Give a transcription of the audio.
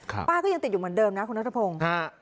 ค่ะป้ายก็ยังติดอยู่เหมือนเดิมนะคุณรัฐพงศ์ครับ